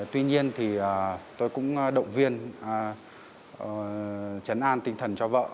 tuy nhiên thì tôi cũng động viên chấn an tinh thần cho vợ